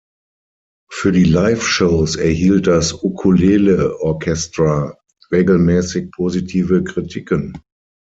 Für die Liveshows erhielt das Ukulele Orchestra regelmäßig positive Kritiken.